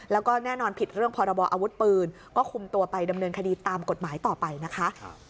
แล้วก็แน่นอนผิดเรื่องพรบออาวุธปืนก็คุมตัวไปดำเนินคดีตามกฎหมายต่อไปนะคะ